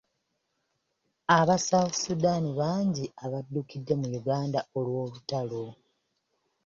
Aba South Sudan bangi abaddukidde mu Uganda olw'olutalo.